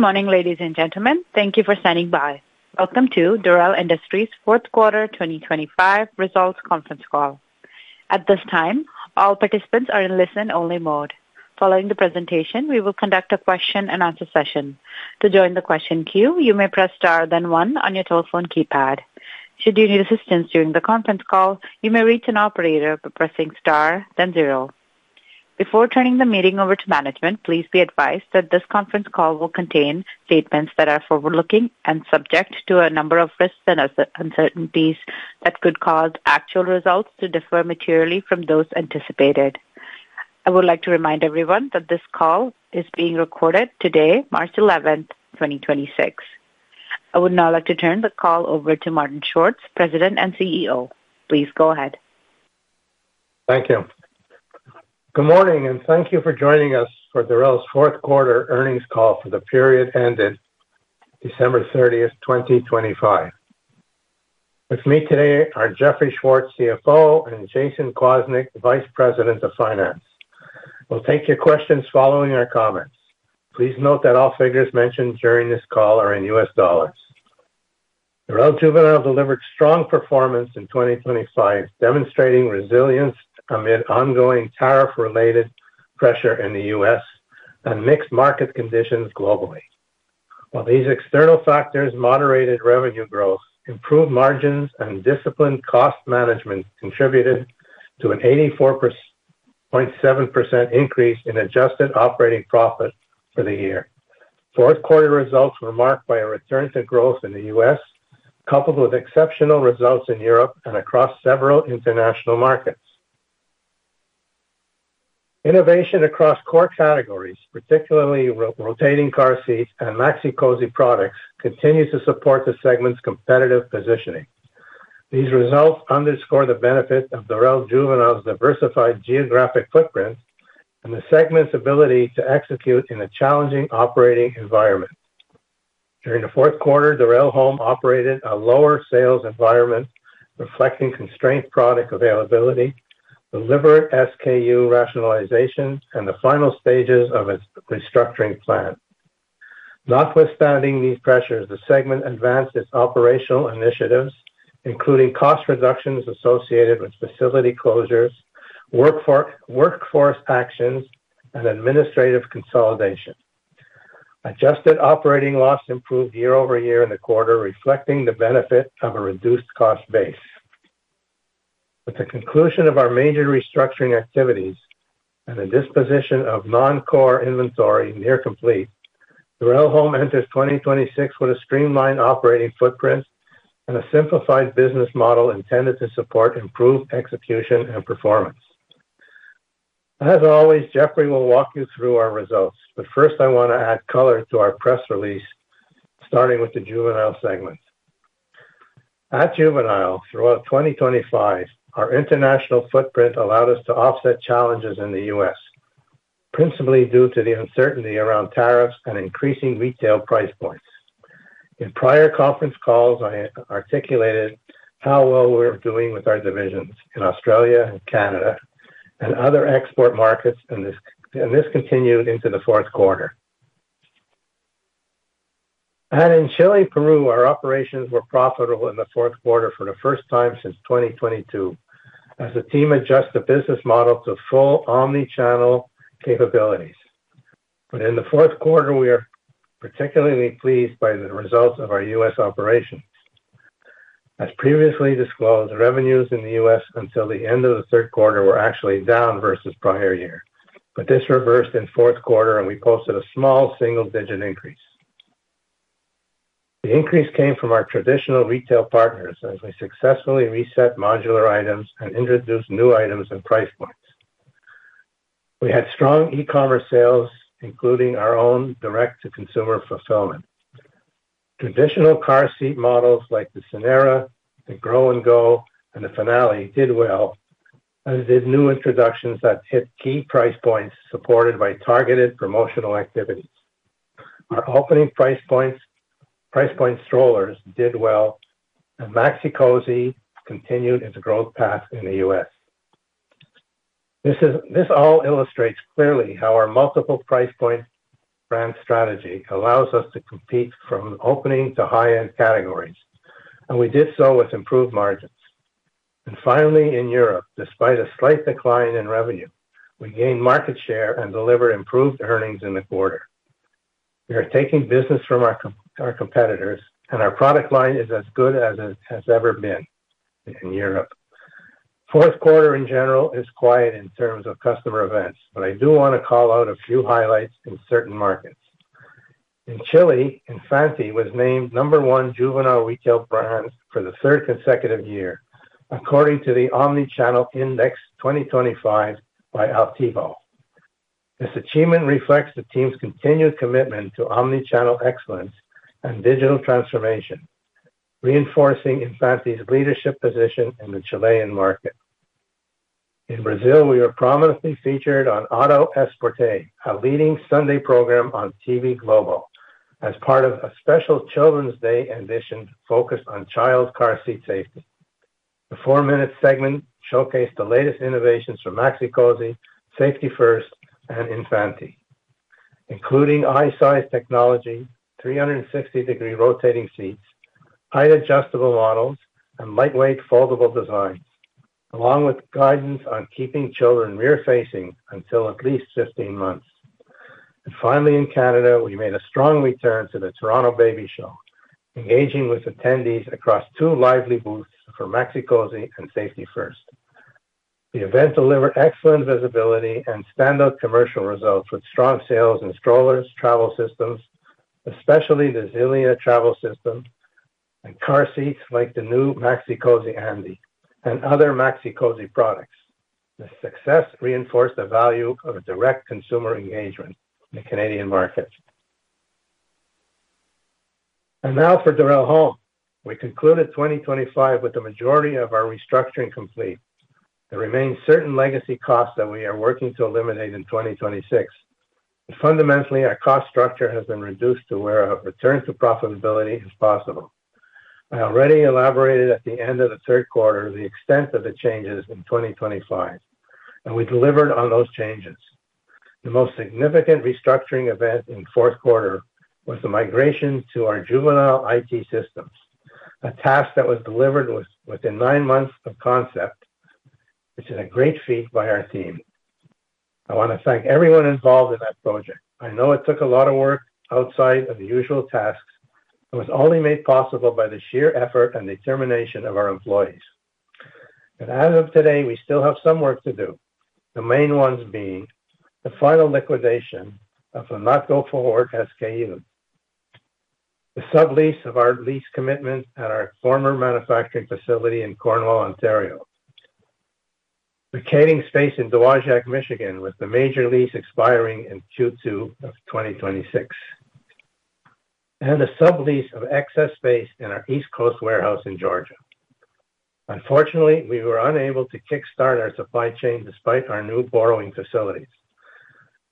Good morning, ladies and gentlemen. Thank you for standing by. Welcome to Dorel Industries Fourth Quarter 2025 Results Conference Call. At this time, all participants are in listen-only mode. Following the presentation, we will conduct a question-and-answer session. To join the question queue, you may press star then one on your telephone keypad. Should you need assistance during the conference call, you may reach an operator by pressing star then zero. Before turning the meeting over to management, please be advised that this conference call will contain statements that are forward-looking and subject to a number of risks and uncertainties that could cause actual results to differ materially from those anticipated. I would like to remind everyone that this call is being recorded today, March eleventh, twenty-twenty six. I would now like to turn the call over to Martin Schwartz, President and CEO. Please go ahead. Thank you. Good morning, and thank you for joining us for Dorel's Fourth quarter Earnings Call for the period ended December 30, 2025. With me today are Jeffrey Schwartz, CFO, and Jayson Kwasnik, Vice President of Finance. We'll take your questions following our comments. Please note that all figures mentioned during this call are in U.S. dollars. Dorel Juvenile delivered strong performance in 2025, demonstrating resilience amid ongoing tariff-related pressure in the U.S. and mixed market conditions globally. While these external factors moderated revenue growth, improved margins and disciplined cost management contributed to an 84.7% increase in adjusted operating profit for the year. Fourth quarter results were marked by a return to growth in the U.S., coupled with exceptional results in Europe and across several international markets. Innovation across core categories, particularly rotating car seats and Maxi-Cosi products, continues to support the segment's competitive positioning. These results underscore the benefit of Dorel Juvenile's diversified geographic footprint and the segment's ability to execute in a challenging operating environment. During the fourth quarter, Dorel Home operated in a lower sales environment, reflecting constrained product availability, delivered SKU rationalization, and the final stages of its restructuring plan. Notwithstanding these pressures, the segment advanced its operational initiatives, including cost reductions associated with facility closures, workforce actions, and administrative consolidation. Adjusted operating loss improved year-over-year in the quarter, reflecting the benefit of a reduced cost base. With the conclusion of our major restructuring activities and the disposition of non-core inventory nearly complete, Dorel Home enters 2026 with a streamlined operating footprint and a simplified business model intended to support improved execution and performance. As always, Jeffrey will walk you through our results, but first, I want to add color to our press release, starting with the Dorel Juvenile segment. At Dorel Juvenile, throughout 2025, our international footprint allowed us to offset challenges in the U.S., principally due to the uncertainty around tariffs and increasing retail price points. In prior conference calls, I articulated how well we're doing with our divisions in Australia and Canada and other export markets, and this continued into the fourth quarter. In Chile, Peru, our operations were profitable in the fourth quarter for the first time since 2022 as the team adjusts the business model to full omnichannel capabilities. In the fourth quarter, we are particularly pleased by the results of our U.S. operations. As previously disclosed, revenues in the U.S. until the end of the third quarter were actually down versus prior year. This reversed in fourth quarter, and we posted a small single-digit increase. The increase came from our traditional retail partners as we successfully reset modular items and introduced new items and price points. We had strong e-commerce sales, including our own direct-to-consumer fulfillment. Traditional car seat models like the Scenera, the Grow and Go, and the Finale did well, as did new introductions that hit key price points supported by targeted promotional activities. Our opening price points, price point strollers did well, and Maxi-Cosi continued its growth path in the U.S. This all illustrates clearly how our multiple price point brand strategy allows us to compete from opening to high-end categories, and we did so with improved margins. Finally, in Europe, despite a slight decline in revenue, we gained market share and delivered improved earnings in the quarter. We are taking business from our competitors, and our product line is as good as it has ever been in Europe. Fourth quarter, in general, is quiet in terms of customer events, but I do wanna call out a few highlights in certain markets. In Chile, Infanti was named number one juvenile retail brand for the third consecutive year, according to the Omnichannel Index 2025 by Altevo. This achievement reflects the team's continued commitment to omnichannel excellence and digital transformation, reinforcing Infanti's leadership position in the Chilean market. In Brazil, we are prominently featured on Autoesporte, a leading Sunday program on TV Globo, as part of a special Children's Day edition focused on child car seat safety. The four-minute segment showcased the latest innovations from Maxi-Cosi, Safety 1st, and Infanti, including i-Size technology, 360-degree rotating seats, height-adjustable models, and lightweight foldable designs, along with guidance on keeping children rear-facing until at least 15 months. Finally, in Canada, we made a strong return to the Toronto Baby Show, engaging with attendees across two lively booths for Maxi-Cosi and Safety 1st. The event delivered excellent visibility and standout commercial results with strong sales in strollers, travel systems, especially the Zelia travel system, and car seats like the new Maxi-Cosi Andi and other Maxi-Cosi products. The success reinforced the value of a direct consumer engagement in the Canadian market. Now for Dorel Home. We concluded 2025 with the majority of our restructuring complete. There remains certain legacy costs that we are working to eliminate in 2026. Fundamentally, our cost structure has been reduced to where a return to profitability is possible. I already elaborated at the end of the third quarter the extent of the changes in 2025, and we delivered on those changes. The most significant restructuring event in fourth quarter was the migration to our Juvenile IT systems, a task that was delivered within nine months of concept, which is a great feat by our team. I want to thank everyone involved in that project. I know it took a lot of work outside of the usual tasks. It was only made possible by the sheer effort and determination of our employees. As of today, we still have some work to do. The main ones being the final liquidation of the not-go-forward SKU, the sublease of our lease commitment at our former manufacturing facility in Cornwall, Ontario, vacating space in Dowagiac, Michigan, with the major lease expiring in Q2 of 2026, and the sublease of excess space in our East Coast warehouse in Georgia. Unfortunately, we were unable to kickstart our supply chain despite our new borrowing facilities.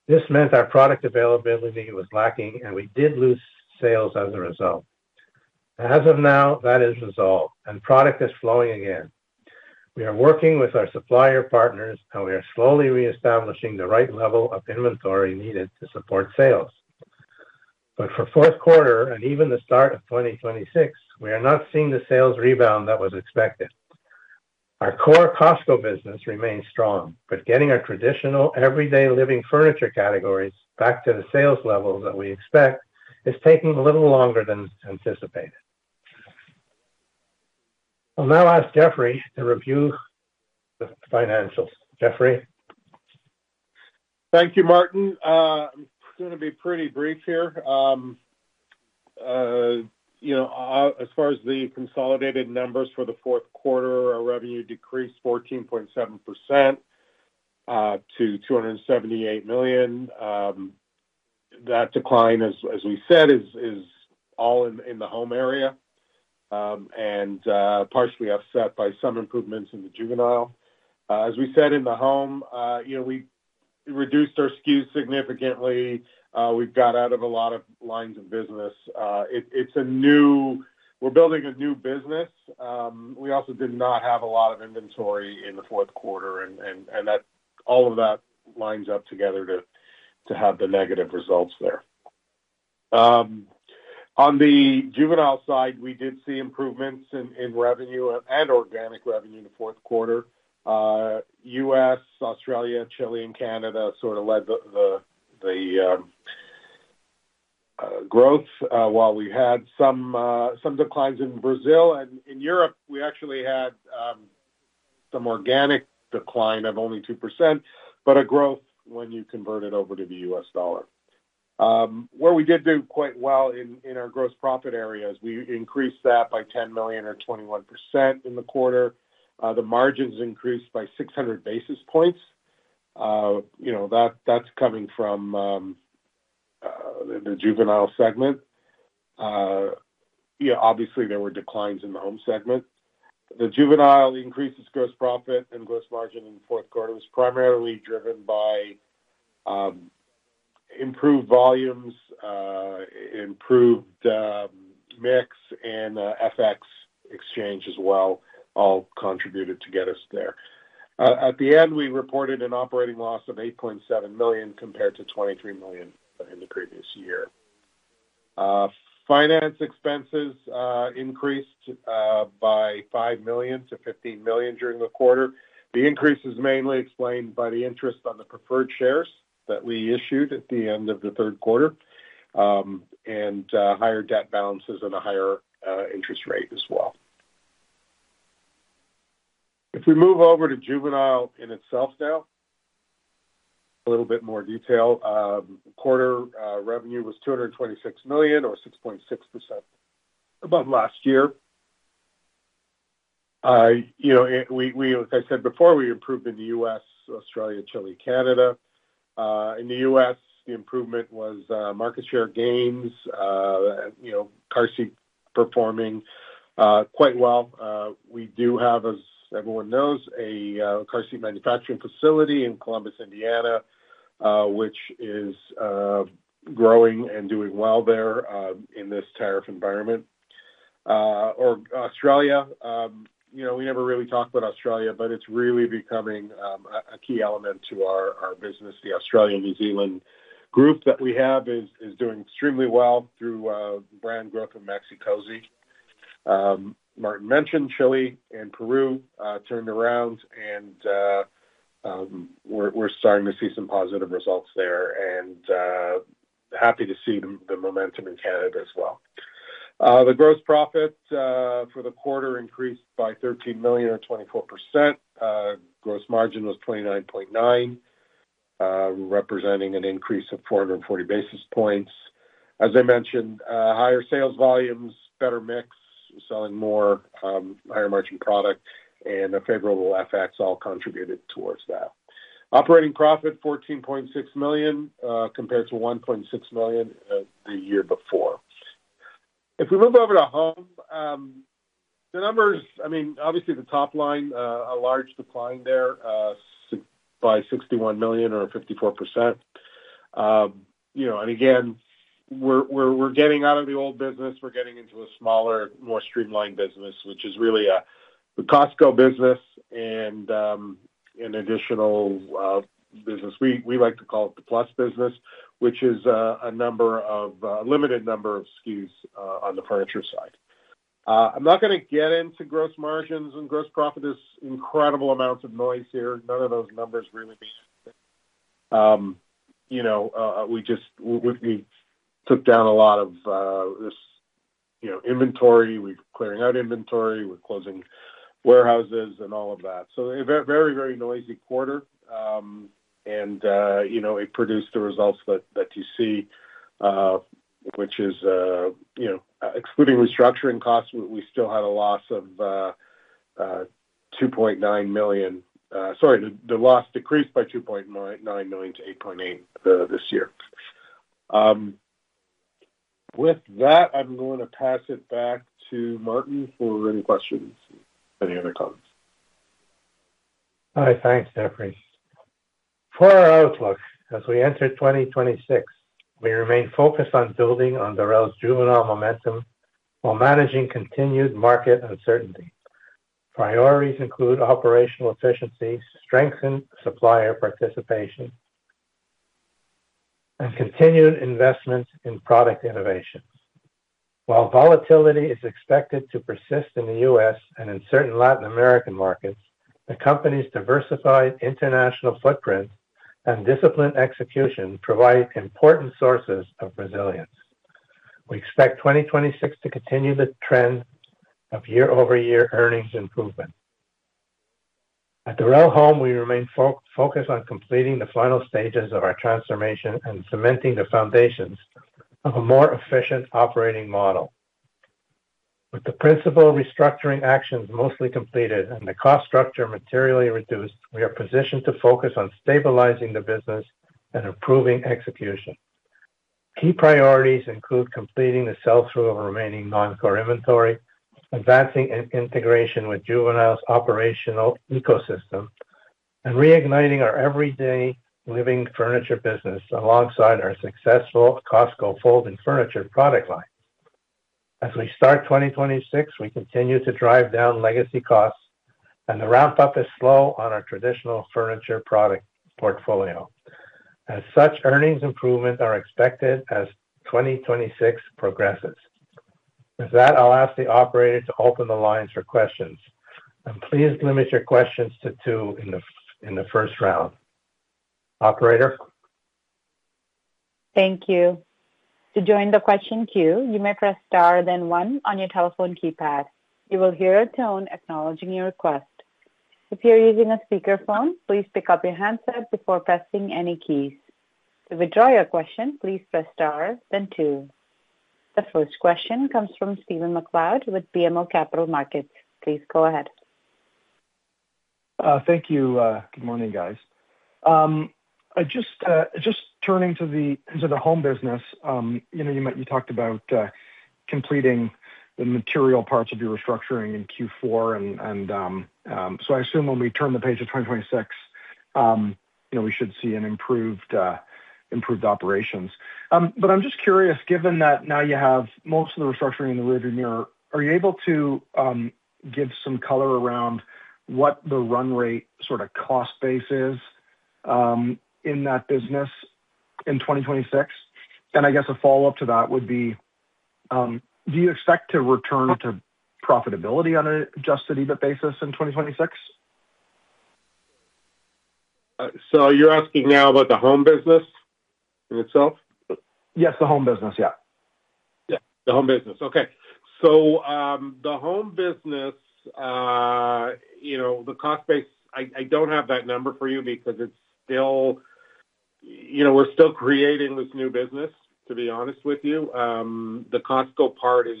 This meant our product availability was lacking, and we did lose sales as a result. As of now, that is resolved and product is flowing again. We are working with our supplier partners, and we are slowly reestablishing the right level of inventory needed to support sales. For fourth quarter and even the start of 2026, we are not seeing the sales rebound that was expected. Our core Costco business remains strong, but getting our traditional everyday living furniture categories back to the sales level that we expect is taking a little longer than anticipated. I'll now ask Jeffrey to review the financials. Jeffrey? Thank you, Martin. I'm gonna be pretty brief here. You know, as far as the consolidated numbers for the fourth quarter, our revenue decreased 14.7% to $278 million. That decline, as we said, is all in the Home area and partially offset by some improvements in the Juvenile. As we said in the Home, you know, we reduced our SKUs significantly. We've got out of a lot of lines of business. We're building a new business. We also did not have a lot of inventory in the fourth quarter and all of that lines up together to have the negative results there. On the Juvenile side, we did see improvements in revenue and organic revenue in the fourth quarter. U.S., Australia, Chile, and Canada sort of led the growth while we had some declines in Brazil. In Europe, we actually had some organic decline of only 2%, but a growth when you convert it over to the U.S. dollar. Where we did do quite well in our gross profit areas, we increased that by $10 million or 21% in the quarter. The margins increased by 600 basis points. You know, that's coming from the Juvenile segment. Yeah, obviously, there were declines in the Home segment. The Juvenile increases gross profit and gross margin in the fourth quarter was primarily driven by improved volumes, improved mix and FX exchange as well, all contributed to get us there. At the end, we reported an operating loss of $8.7 million compared to $23 million in the previous year. Finance expenses increased by $5 million-$15 million during the quarter. The increase is mainly explained by the interest on the preferred shares that we issued at the end of the third quarter and higher debt balances and a higher interest rate as well. If we move over to Juvenile in itself now, a little bit more detail. Quarter revenue was $226 million or 6.6% above last year. You know, like I said before, we improved in the U.S., Australia, Chile, Canada. In the U.S., the improvement was market share gains, you know, car seat performing quite well. We do have, as everyone knows, a car seat manufacturing facility in Columbus, Indiana, which is growing and doing well there, in this tariff environment. In Australia, you know, we never really talk about Australia, but it's really becoming a key element to our business. The Australia, New Zealand group that we have is doing extremely well through brand growth of Maxi-Cosi. Martin mentioned Chile and Peru turned around, and we're starting to see some positive results there, and happy to see the momentum in Canada as well. The gross profit for the quarter increased by $13 million or 24%. Gross margin was 29.9%, representing an increase of 440 basis points. As I mentioned, higher sales volumes, better mix, selling more, higher margin product, and a favorable FX all contributed towards that. Operating profit, $14.6 million, compared to $1.6 million, the year before. If we move over to Home, the numbers—I mean, obviously, the top line, a large decline there, sixty-one million or fifty-four percent. You know, again, we're getting out of the old business. We're getting into a smaller, more streamlined business, which is really, the Costco business and an additional business. We like to call it the Plus business, which is a limited number of SKUs on the furniture side. I'm not gonna get into gross margins and gross profit. There's incredible amounts of noise here. None of those numbers really mean anything. You know, we took down a lot of this inventory. We're clearing out inventory. We're closing warehouses and all of that. A very noisy quarter. You know, it produced the results that you see, which is you know. Excluding restructuring costs, we still had a loss of $2.9 million. Sorry, the loss decreased by $2.9 million-$8.8 million this year. With that, I'm going to pass it back to Martin for any questions, any other comments. All right. Thanks Jeffrey. For our outlook, as we enter 2026, we remain focused on building on Dorel Juvenile momentum while managing continued market uncertainty. Priorities include operational efficiency, strengthened supplier participation, and continued investment in product innovations. While volatility is expected to persist in the U.S. and in certain Latin American markets, the company's diversified international footprint and disciplined execution provide important sources of resilience. We expect 2026 to continue the trend of year-over-year earnings improvement. At Dorel Home, we remain focused on completing the final stages of our transformation and cementing the foundations of a more efficient operating model. With the principal restructuring actions mostly completed and the cost structure materially reduced, we are positioned to focus on stabilizing the business and improving execution. Key priorities include completing the sell-through of remaining non-core inventory, advancing an integration with Juvenile's operational ecosystem, and reigniting our everyday living furniture business alongside our successful Costco folding furniture product line. As we start 2026, we continue to drive down legacy costs, and the ramp-up is slow on our traditional furniture product portfolio. As such, earnings improvements are expected as 2026 progresses. With that, I'll ask the operator to open the lines for questions, and please limit your questions to two in the first round. Operator? Thank you. To join the question queue, you may press Star, then one on your telephone keypad. You will hear a tone acknowledging your request. If you're using a speakerphone, please pick up your handset before pressing any keys. To withdraw your question, please press Star, then two. The first question comes from Stephen MacLeod with BMO Capital Markets. Please go ahead. Thank you. Good morning, guys. I just turning to the Home business, you know, you talked about completing the material parts of your restructuring in Q4, and so I assume when we turn the page to 2026, you know, we should see an improved operations. But I'm just curious, given that now you have most of the restructuring in the rear view mirror, are you able to give some color around what the run rate sort of cost base is in that business in 2026? I guess a follow-up to that would be, do you expect to return to profitability on an adjusted EBIT basis in 2026? You're asking now about the Home business in itself? Yes, the Home business. Yeah. The Home business, you know, the cost base. I don't have that number for you because it's still, you know, we're still creating this new business, to be honest with you. The Costco part is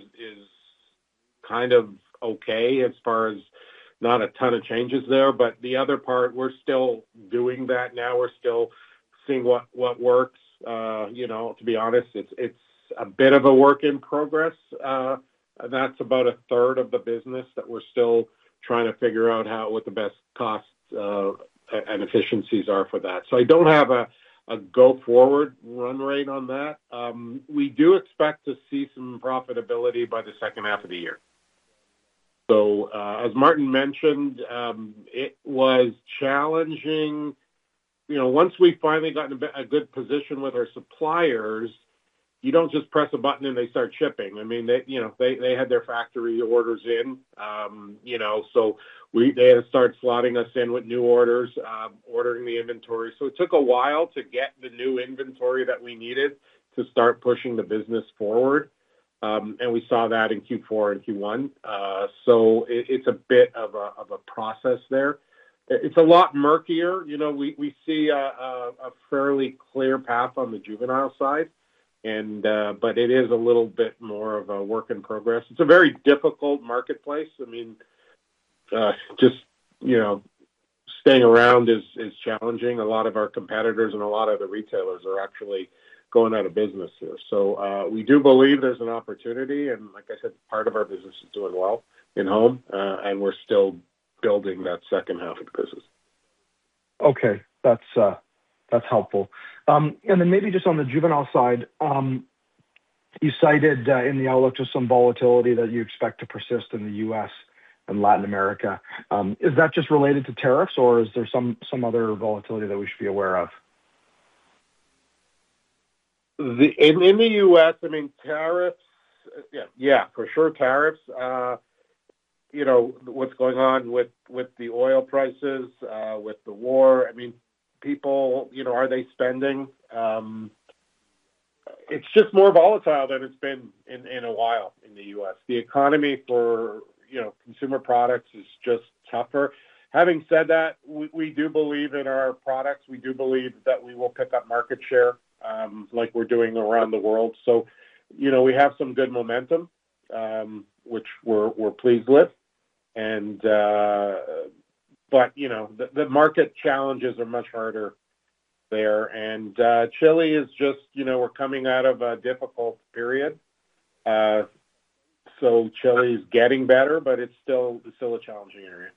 kind of okay as far as not a ton of changes there. The other part, we're still doing that now. We're still seeing what works. You know, to be honest, it's a bit of a work in progress. That's about a third of the business that we're still trying to figure out what the best costs and efficiencies are for that. I don't have a go forward run rate on that. We do expect to see some profitability by the second half of the year. As Martin mentioned, it was challenging. You know, once we finally got in a good position with our suppliers, you don't just press a button, and they start shipping. I mean, they had their factory orders in, you know, so they had to start slotting us in with new orders, ordering the inventory. It took a while to get the new inventory that we needed to start pushing the business forward. We saw that in Q4 and Q1. It's a bit of a process there. It's a lot murkier. You know, we see a fairly clear path on the juvenile side, but it is a little bit more of a work in progress. It's a very difficult marketplace. I mean, just staying around is challenging. A lot of our competitors and a lot of the retailers are actually going out of business here. We do believe there's an opportunity. Like I said, part of our business is doing well in Home, and we're still building that second half of the business. Okay. That's helpful. Maybe just on the juvenile side, you cited in the outlook just some volatility that you expect to persist in the U.S. and Latin America. Is that just related to tariffs, or is there some other volatility that we should be aware of? In the US, I mean, tariffs. Yeah. Yeah, for sure tariffs. You know, what's going on with the oil prices, with the war. I mean, people, you know, are they spending? It's just more volatile than it's been in a while in the US. The economy for consumer products is just tougher. Having said that, we do believe in our products. We do believe that we will pick up market share, like we're doing around the world. You know, we have some good momentum, which we're pleased with. You know, the market challenges are much harder there. Chile is just, you know, we're coming out of a difficult period. Chile is getting better, but it's still a challenging area.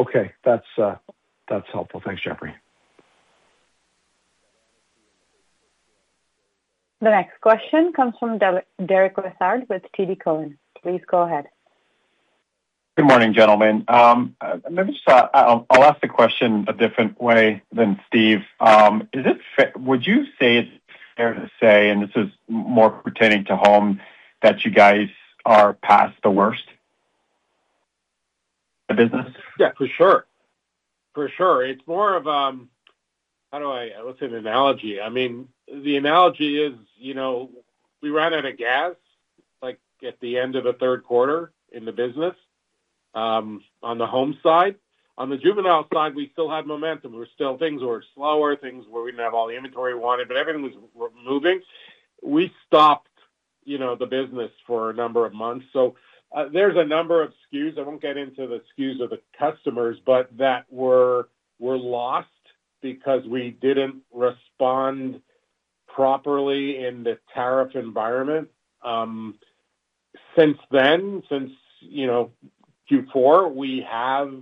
Okay. That's helpful. Thanks Jeffrey. The next question comes from Derek Lessard with TD Cowen. Please go ahead. Good morning, gentlemen. Let me just, I'll ask the question a different way than Stephen. Would you say it's fair to say, and this is more pertaining to Home, that you guys are past the worst of business? Yeah, for sure. For sure. It's more of a what's an analogy? I mean, the analogy is, you know, we ran out of gas, like, at the end of the third quarter in the business, on the Home side. On the juvenile side, we still had momentum. Things were slower, things where we didn't have all the inventory we wanted, but everything was moving. We stopped, you know, the business for a number of months. There's a number of SKUs, I won't get into the SKUs of the customers, but that were lost because we didn't respond properly in the tariff environment. Since then, since, you know, Q4, we have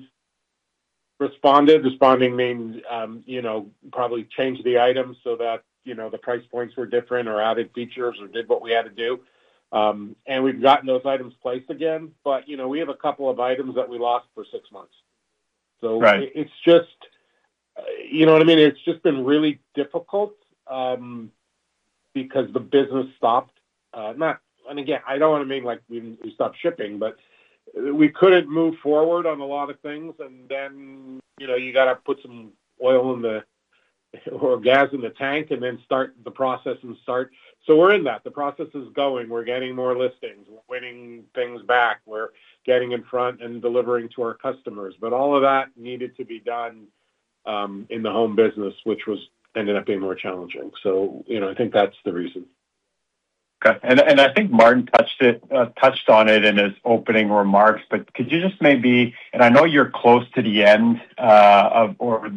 responded. Responding means, you know, probably changed the items so that, you know, the price points were different or added features or did what we had to do. We've gotten those items placed again. You know, we have a couple of items that we lost for six months. Right. It's just you know what I mean. It's just been really difficult because the business stopped. Again, I don't want to. I mean like we stopped shipping but we couldn't move forward on a lot of things. Then you know you gotta put some gas in the tank and then start the process. We're in that. The process is going. We're getting more listings. We're winning things back. We're getting in front and delivering to our customers. All of that needed to be done in the Home business which ended up being more challenging. You know I think that's the reason. Okay. I think Martin touched on it in his opening remarks, but could you just maybe. I know you're close to the end of the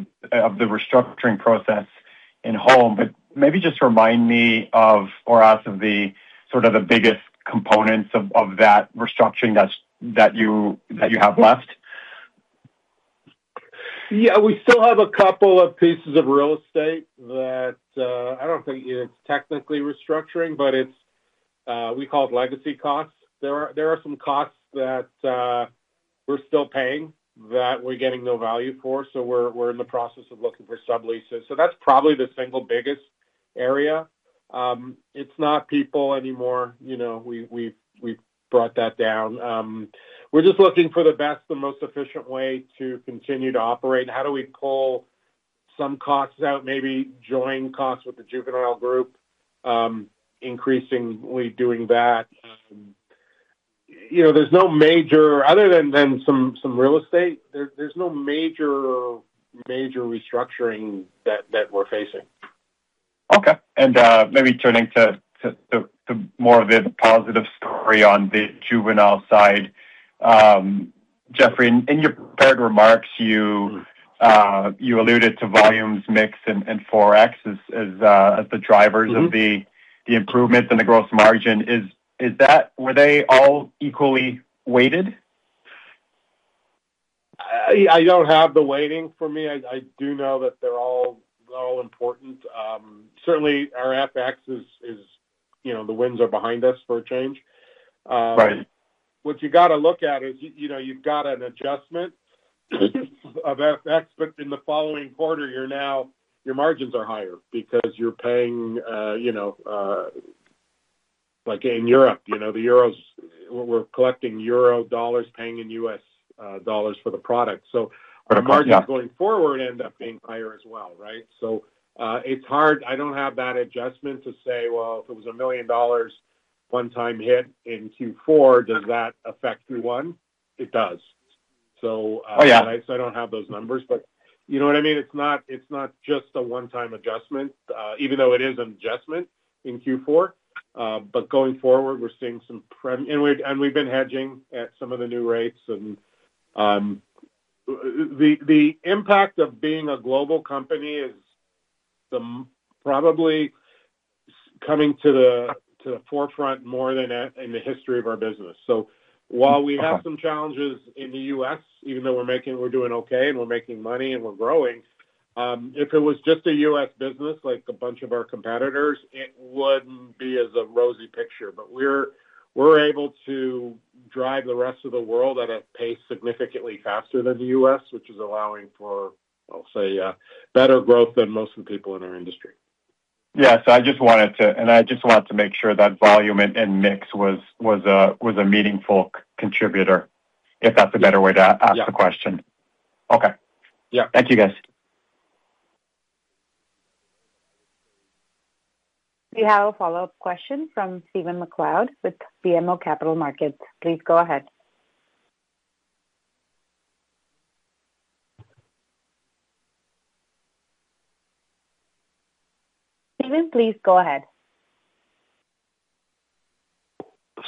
restructuring process in Home, but maybe just remind me of or ask of the sort of the biggest components of that restructuring that's that you have left? Yeah. We still have a couple of pieces of real estate that, I don't think it's technically restructuring, but it's, we call it legacy costs. There are some costs that, we're still paying that we're getting no value for. We're in the process of looking for subleases. That's probably the single biggest area. It's not people anymore. You know, we've brought that down. We're just looking for the best and most efficient way to continue to operate. How do we call some costs out, maybe join costs with the juvenile group, increasingly doing that. You know, there's no major other than some real estate, there's no major restructuring that we're facing. Okay. Maybe turning to more of the positive story on the juvenile side. Jeffrey, in your prepared remarks, you alluded to volumes mix and FX as the drivers of the improvements in the gross margin. Is that? Were they all equally weighted? I don't have the weighting for me. I do know that they're all important. Certainly our FX is, you know, the winds are behind us for a change. Right. What you gotta look at is, you know, you've got an adjustment of FX, but in the following quarter, your margins are higher because you're paying, you know, like in Europe, you know, the euros. We're collecting euro dollars, paying in U.S. dollars for the product. Right. Yeah. Our margins going forward end up being higher as well, right? It's hard. I don't have that adjustment to say, well, if it was $1 million one time hit in Q4, does that affect Q1? It does. Oh, yeah. I don't have those numbers, but you know what I mean? It's not just a one-time adjustment, even though it is an adjustment in Q4. Going forward, we've been hedging at some of the new rates. The impact of being a global company is probably coming to the forefront more than in the history of our business. While we have some challenges in the U.S., even though we're doing okay, and we're making money, and we're growing, if it was just a U.S. business like a bunch of our competitors, it wouldn't be as a rosy picture. We're able to drive the rest of the world at a pace significantly faster than the U.S., which is allowing for, I'll say, better growth than most of the people in our industry. Yes. I just wanted to make sure that volume and mix was a meaningful contributor, if that's a better way to ask the question. Yeah. Okay. Yeah. Thank you, guys. We have a follow-up question from Stephen MacLeod with BMO Capital Markets. Please go ahead. Stephen, please go ahead.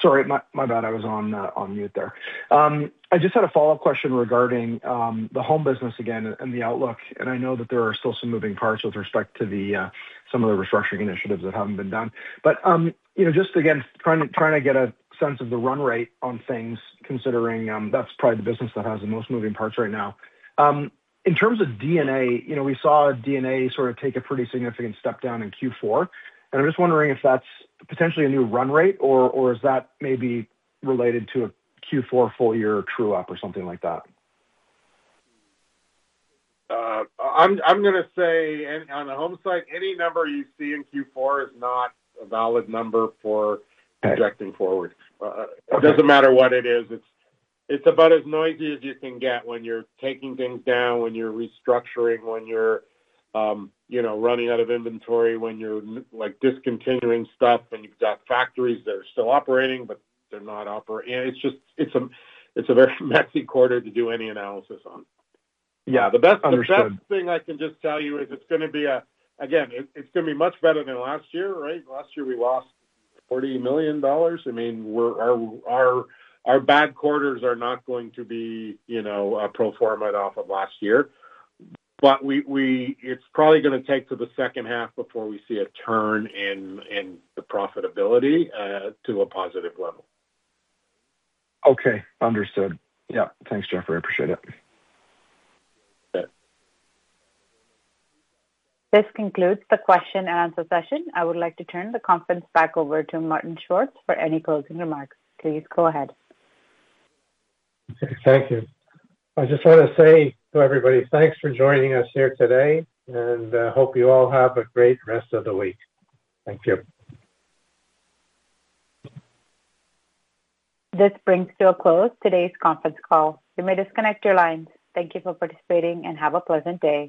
Sorry, my bad. I was on mute there. I just had a follow-up question regarding the home business again and the outlook. I know that there are still some moving parts with respect to some of the restructuring initiatives that haven't been done. You know, just again trying to get a sense of the run rate on things, considering that's probably the business that has the most moving parts right now. In terms of D&A, you know, we saw D&A sort of take a pretty significant step down in Q4, and I'm just wondering if that's potentially a new run rate or is that maybe related to a Q4 full year true up or something like that? I'm gonna say on the home side, any number you see in Q4 is not a valid number for projecting forward. Okay. It doesn't matter what it is. It's about as noisy as you can get when you're taking things down, when you're restructuring, when you're you know, running out of inventory, when you're like discontinuing stuff, when you've got factories that are still operating, but they're not. It's a very messy quarter to do any analysis on. Yeah. Understood. The best thing I can just tell you is it's gonna be much better than last year, right? Last year we lost $40 million. I mean, our bad quarters are not going to be, you know, pro forma off of last year. It's probably gonna take to the second half before we see a turn in the profitability to a positive level. Okay. Understood. Yeah. Thanks Jeffrey. I appreciate it. Bet. This concludes the question and answer session. I would like to turn the conference back over to Martin Schwartz for any closing remarks. Please go ahead. Thank you. I just wanna say to everybody, thanks for joining us here today, and hope you all have a great rest of the week. Thank you. This brings to a close today's conference call. You may disconnect your lines. Thank you for participating and have a pleasant day.